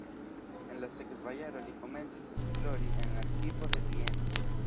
En la sekva jaro li komencis esplori en arkivo de Vieno.